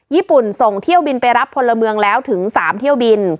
ญี่ปุ่นส่งเที่ยวบินไปรับพลเมืองแล้วถึง๓เที่ยวบิน